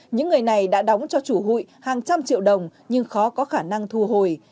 những người này đã đóng cho chủ hụi hàng trăm triệu đồng nhưng khó có khả năng thu hồi